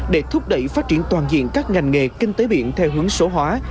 để thúc đẩy phát triển toàn diện các ngành nghề kinh tế biển theo hướng số hóa